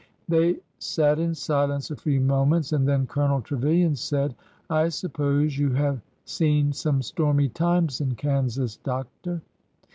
They sat in silence a few moments, and then Colonel Trevilian said :" I suppose you have seen some stormy times in Kansas, Doctor